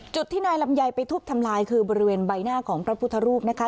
จุดที่นายลำไยไปทุบทำลายคือบริเวณใบหน้าของพระพุทธรูปนะคะ